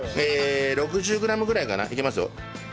６０グラムぐらいかな？いきますよ。